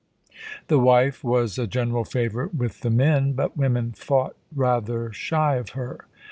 The wife was a general favourite with the men, but women fought rather shy of her.